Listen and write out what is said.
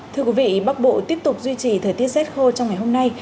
thưa quý vị bắc bộ tiếp tục duy trì thời tiết rét khô trong ngày hôm nay